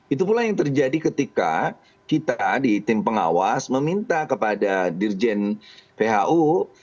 itu pula yang terjadi ketika kita di tim pengawas meminta kepada dirjen who